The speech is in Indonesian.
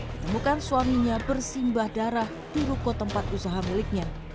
menemukan suaminya bersimbah darah di ruko tempat usaha miliknya